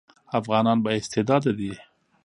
افغانان با استعداده دي